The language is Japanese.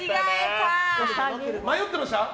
迷ってました？